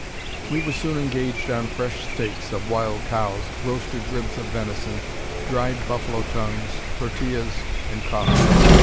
We were soon engaged on fresh steaks (of wild cows), roasted ribs of venison, dried buffalo tongues, tortillas, and coffee.